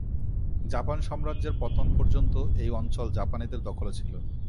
Japan সাম্রাজ্যের পতন পর্যন্ত এই অঞ্চল জাপানিদের দখলে ছিল।